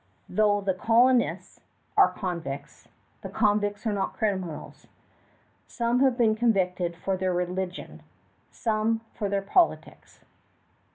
Though the colonists are convicts, the convicts are not criminals. Some have been convicted for their religion, some for their politics.